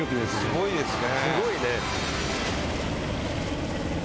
すごいですね。